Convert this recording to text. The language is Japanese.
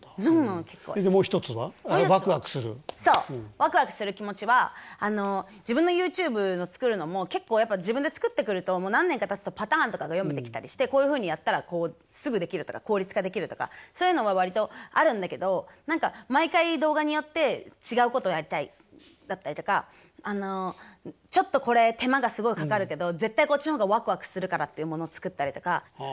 ワクワクする気持ちは自分のＹｏｕＴｕｂｅの作るのも結構やっぱ自分で作ってくるともう何年かたつとパターンとかが読めてきたりしてこういうふうにやったらすぐできるとか効率化できるとかそういうのは割とあるんだけど何か毎回動画によって違うことやりたいだったりとかちょっとこれ手間がすごいかかるけど絶対こっちの方がワクワクするからっていうものを作ったりとか。